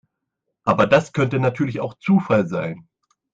Aber das könnte natürlich auch Zufall sein.